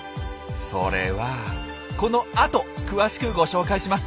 それはこのあと詳しくご紹介します！